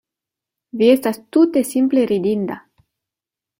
Vi estas tute simple ridinda.